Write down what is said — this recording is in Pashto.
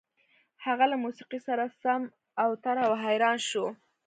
هغه له موسيقۍ سره سم اوتر او حيران شو.